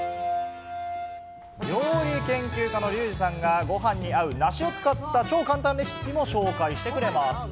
料理研究家のリュウジさんが、ごはんに合う梨を使った超簡単レシピも紹介してくれます。